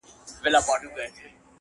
پټ راته مغان په لنډه لار کي راته وویل؛